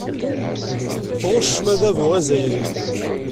Tɣuccem adabu azzayri.